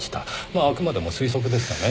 まああくまでも推測ですがね。